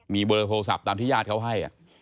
มีเบอร์โทรศัพท์ตามที่ญาติเขาให้